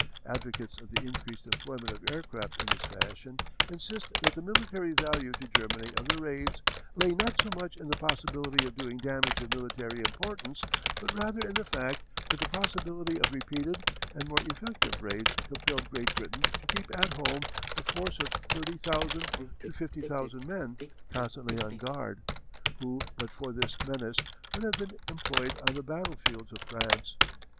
Advocates of the increased employment of aircraft in this fashion insist that the military value to Germany of the raids lay not so much in the possibility of doing damage of military importance but rather in the fact that the possibility of repeated and more effective raids compelled Great Britain to keep at home a force of thirty thousand to fifty thousand men constantly on guard, who but for this menace would have been employed on the battlefields of France.